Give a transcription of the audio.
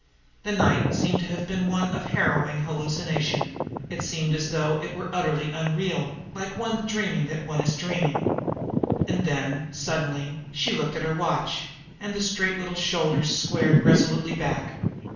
The night seemed to have been one of harrowing hallucination; it seemed as though it were utterly unreal, like one dreaming that one is dreaming. And then, suddenly, she looked at her watch, and the straight little shoulders squared resolutely back.